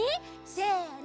せの！